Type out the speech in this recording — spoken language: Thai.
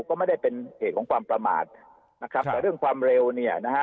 ก็ไม่ได้เป็นเหตุของความประมาทนะครับแต่เรื่องความเร็วเนี่ยนะฮะ